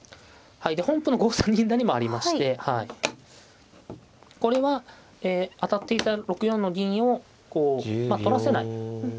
はいで本譜の５三銀成もありましてこれは当たっていた６四の銀をこうまあ取らせない。